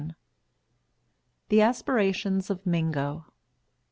_ THE ASPIRATIONS OF MINGO.